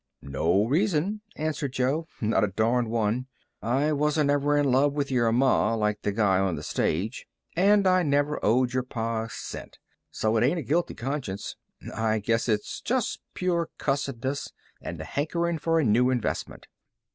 "No reason," answered Jo. "Not a darned one. I wasn't ever in love with your ma, like the guy on the stage; and I never owed your pa a cent. So it ain't a guilty conscience. I guess it's just pure cussedness, and a hankerin' for a new investment.